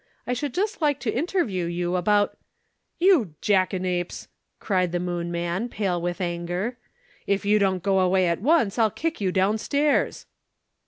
"I should just like to interview you about " "You jackanapes!" cried the Moon man, pale with anger, "If you don't go away at once, I'll kick you down stairs."